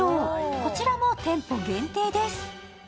こちらも店舗限定です。